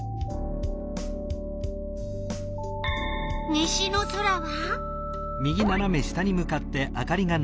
西の空は？